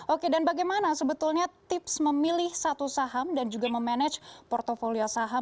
oke dan bagaimana sebetulnya tips memilih satu saham dan juga memanage portfolio saham